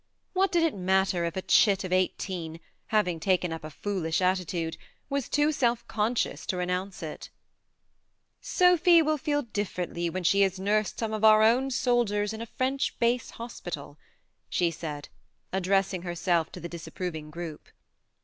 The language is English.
What did it matter if a chit of eighteen, having taken up a foolish attitude, was too self conscious to renounce it ?" Sophy will feel differently when she has nursed some of our own soldiers in a French base hospital," she said, addressing herself to the dis approving group.